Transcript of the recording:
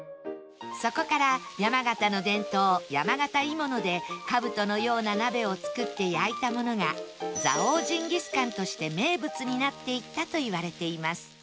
そこから山形の伝統山形鋳物で兜のような鍋を作って焼いたものが蔵王ジンギスカンとして名物になっていったといわれています